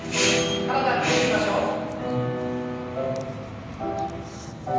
体ねじりましょう。